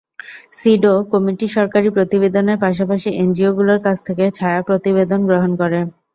সিডও committee সরকারি প্রতিবেদনের পাশাপাশি এনজিওগুলোর কাছ থেকে ছায়া প্রতিবেদন গ্রহণ করে।